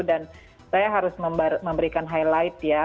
saya harus memberikan highlight ya